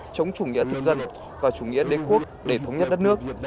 chống chủ nghĩa thực dân và chủ nghĩa đế quốc để thống nhất đất nước